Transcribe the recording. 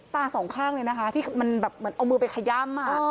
สองข้างเลยนะคะที่มันแบบเหมือนเอามือไปขย่ำ